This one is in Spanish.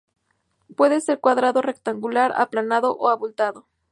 Puede ser cuadrado o rectangular, aplanado o abultado.